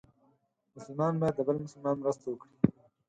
مسلمان باید د بل مسلمان مرسته وکړي.